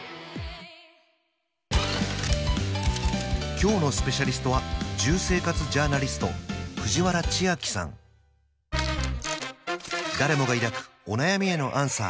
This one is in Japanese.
今日のスペシャリストは誰もが抱くお悩みへのアンサー